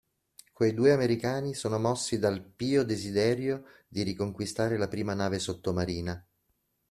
Quei due americani sono mossi dal pio desiderio di riconquistare la prima nave sottomarina.